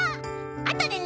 あとでね」。